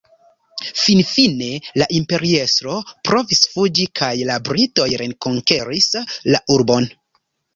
Finfine la imperiestro provis fuĝi kaj la britoj rekonkeris la urbon.